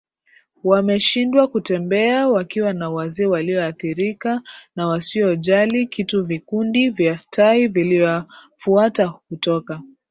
wameshindwa kutembea wakiwa na wazee walioathirika na wasiojali kitu Vikundi vya tai viliwafuata kutoka